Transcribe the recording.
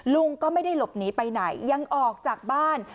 ลุงก็ไม่ได้หลบหนีไปไหนยังออกจากบ้าน